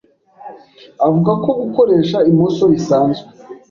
avuga ko gukoresha imoso bisanzwe